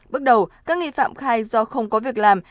bước đầu các nghi phạm khai do không có việc làm